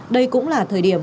đây cũng là thời điểm